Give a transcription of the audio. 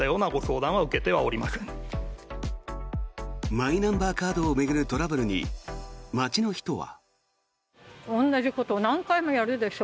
マイナンバーカードを巡るトラブルに街の人は。